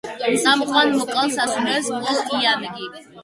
წამყვან ვოკალს ასრულებს პოლ იანგი.